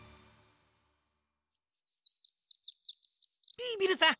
ビービルさん